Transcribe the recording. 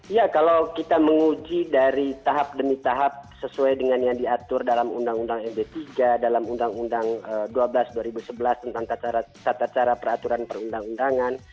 iya kalau kita menguji dari tahap demi tahap sesuai dengan yang diatur dalam undang undang md tiga dalam undang undang dua belas dua ribu sebelas tentang tata cara peraturan perundang undangan